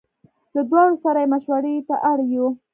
له دواړو سره یې مشوړې ته اړ یو.